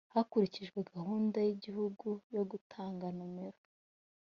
hakurikijwe gahunda y igihugu yo gutanga nomero